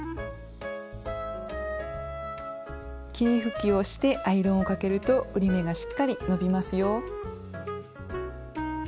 霧吹きをしてアイロンをかけると折り目がしっかり伸びますよ。